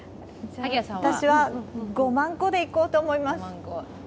私は５万個でいこうと思います。